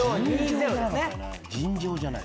尋常じゃない。